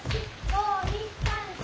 ５２３４。